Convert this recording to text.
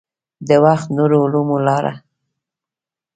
د وخت نورو علومو لاره.